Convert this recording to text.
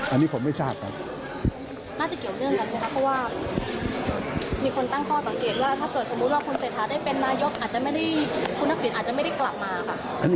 อันนี้ผมไม่ทราบนะครับ